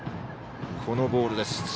このボールです。